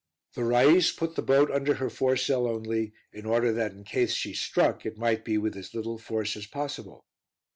The rais put the boat under her foresail only, in order that in case she struck, it might be with as little force as possible.